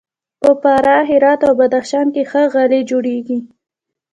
په فراه، هرات او بدخشان کې ښه غالۍ جوړیږي.